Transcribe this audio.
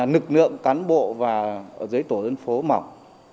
nực lượng cán bộ và dưới tổ dân phố mỏng